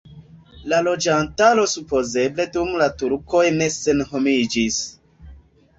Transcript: La loĝantaro supozeble dum la turkoj ne senhomiĝis.